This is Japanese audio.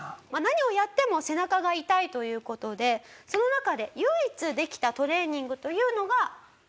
何をやっても背中が痛いという事でその中で唯一できたトレーニングというのが。